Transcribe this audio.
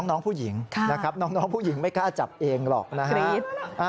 น้องผู้หญิงนะครับน้องผู้หญิงไม่กล้าจับเองหรอกนะครับ